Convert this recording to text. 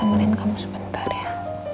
aku mau ketemuin kamu sebentar ya